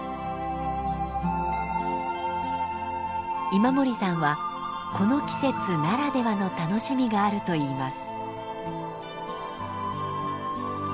今森さんはこの季節ならではの楽しみがあると言います。